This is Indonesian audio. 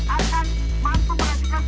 akan mampu meresikan